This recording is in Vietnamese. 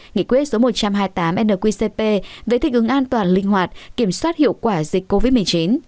nghị quyết số một trăm hai mươi tám nqcp về thích ứng an toàn linh hoạt kiểm soát hiệu quả dịch covid một mươi chín